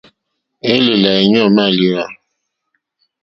Élèlà éɲɔ̂ màléwá.